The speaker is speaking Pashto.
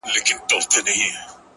• چي ته بېلېږې له خپل كوره څخه ـ